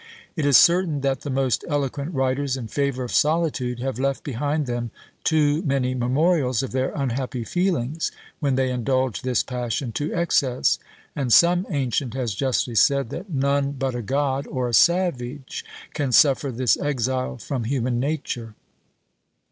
It is certain that the most eloquent writers in favour of solitude have left behind them too many memorials of their unhappy feelings, when they indulged this passion to excess; and some ancient has justly said, that none but a god, or a savage, can suffer this exile from human nature.